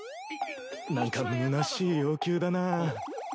何かむなしい要求だなぁ。